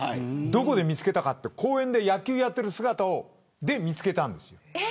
どこで見つけたかというと公園で野球をやっている姿で見つけたんです。